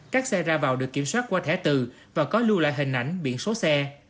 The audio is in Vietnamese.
các xe ra vào được kiểm soát qua thẻ từ và có lưu lại hình ảnh biển số xe